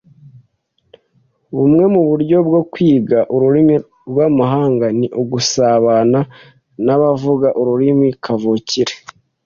Bumwe mu buryo bwo kwiga ururimi rwamahanga ni ugusabana nabavuga ururimi kavukire